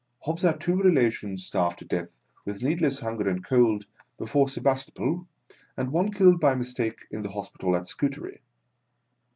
Hobbs had two relations starved to death with needless hunger and cold before Sebas topol, and one killed by mistake in the hos pital at Scutari.